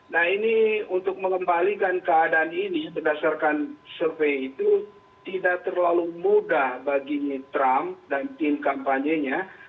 nah ini untuk mengembalikan keadaan ini berdasarkan survei itu tidak terlalu mudah bagi trump dan tim kampanyenya